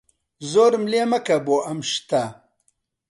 زۆرم لێ مەکە بۆ ئەم شتە.